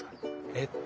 えっと